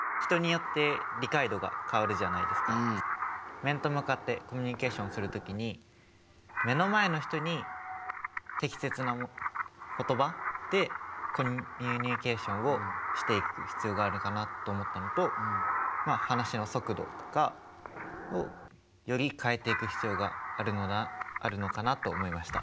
面と向かってコミュニケーションする時に目の前の人に適切な言葉でコミュニケーションをしていく必要があるかなと思ったのと話の速度とかをより変えていく必要があるのかなと思いました。